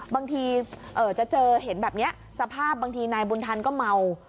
บางทีจะเจอเห็นแบบนี้สภาพบางทีนายบุญทันก็เมา